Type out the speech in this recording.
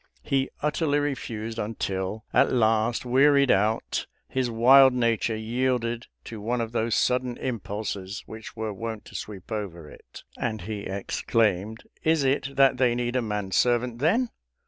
He utterly refused until, at last wearied out, his wild nature yielded to one of those sudden impulses which were wont to sweep over it; and he exclaimed, "Is it that they need a man servant, then?